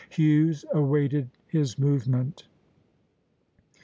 Hughes awaited his movement.